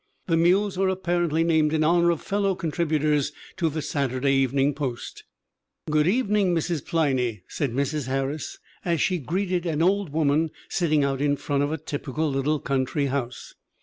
[The mules are apparently named in honor of fellow contributors to the Saturday Evening Post.] " 'Good evening, Mrs. Pliney/ said Mrs. Harris, as she greeted an old woman sitting out in front of a typical little country house.